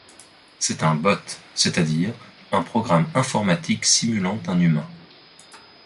C'est un bot, c'est-à-dire un programme informatique simulant un humain.